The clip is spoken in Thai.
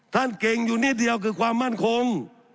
ท่านเก่งอยู่นิดเดียวคือความมั่นคง